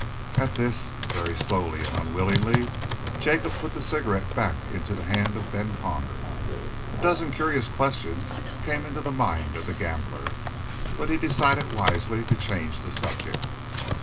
At this, very slowly and unwillingly, Jacob put the cigarette back into the hand of Ben Connor. A dozen curious questions came into the mind of the gambler, but he decided wisely to change the subject.